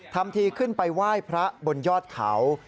ทำทีขึ้นไปไหว้พระบนยอดเขา